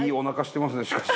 しかし。